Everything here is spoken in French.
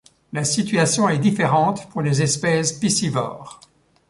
La situation est différente pour les espèces piscivores.